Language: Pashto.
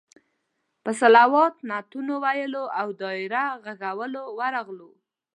په صلوات، نعتونو ویلو او دایره غږولو ورغلو.